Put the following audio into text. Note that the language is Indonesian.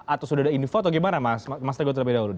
atau sudah ada info atau gimana mas teguh terlebih dahulu